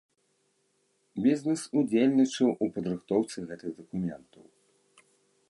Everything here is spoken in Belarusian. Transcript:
Бізнес удзельнічаў у падрыхтоўцы гэтых дакументаў.